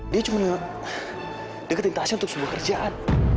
dia cuma deketin tasnya untuk sebuah kerjaan